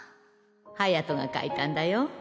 隼が描いたんだよ。